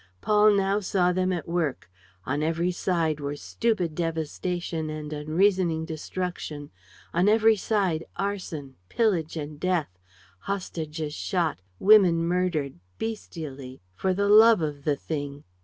Paul now saw them at work. On every side were stupid devastation and unreasoning destruction, on every side arson, pillage and death, hostages shot, women murdered, bestially, for the love of the thing.